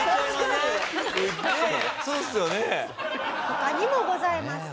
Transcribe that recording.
他にもございます。